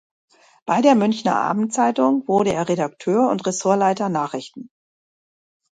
Bei der Münchner Abendzeitung wurde er Redakteur und Ressortleiter Nachrichten.